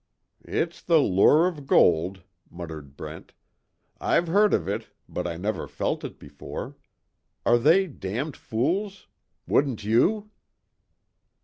"It's the lure of gold," muttered Brent, "I've heard of it, but I never felt it before. Are they damned fools? Wouldn't you?"